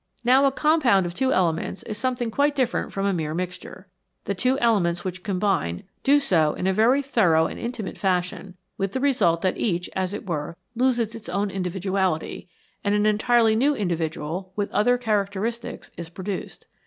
Now a compound of two elements is something quite different from a mere mixture. The two elements which combine do so in a very thorough and intimate fashion, with the result that each, as it were, loses its own individuality, and an entirely new individual, with other characteristics, is pro duced.